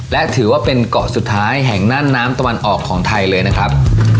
และถือว่าเป็นเกาะสุดท้ายแห่งน่านน้ำตะวันออกของไทยเลยนะครับ